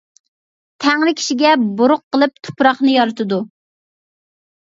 تەڭرى كىشىگە بۇرۇق قىلىپ تۇپراقنى يارىتىدۇ.